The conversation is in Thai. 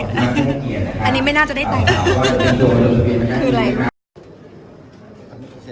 แถวนี้เขาแต่งงานกันแล้วนะคะ